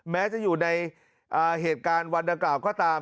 แม้จะอยู่ในเหตุการณ์วันดังกล่าวก็ตาม